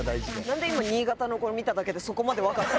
なんで今新潟の子見ただけでそこまでわかった？